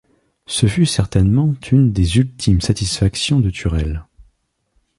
Ce fut certainement une des ultimes satisfactions de Thurel.